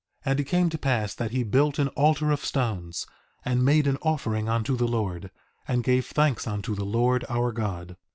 2:7 And it came to pass that he built an altar of stones, and made an offering unto the Lord, and gave thanks unto the Lord our God.